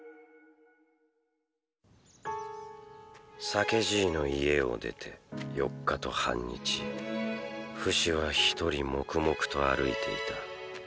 酒爺の家を出て４日と半日フシはひとり黙々と歩いていた。